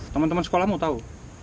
temen temen sekolahmu tahu